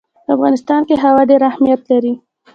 په افغانستان کې هوا ډېر اهمیت لري.